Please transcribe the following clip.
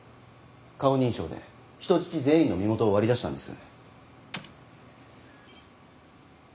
顔認証で人質全員の身元を割り出したんです。